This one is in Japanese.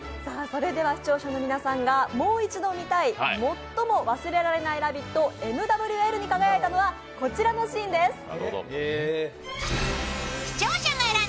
それでは視聴者の皆さんがもう一度見たい「最も忘れられないラヴィット・ＭＷＬ」に輝いたのはこちらのシーンです。